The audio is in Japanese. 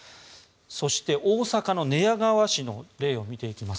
そして、大阪の寝屋川市の例を見ていきます。